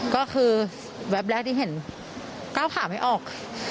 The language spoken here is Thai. ก็คือแวบแรกที่เห็นก้าวขาไม่ออก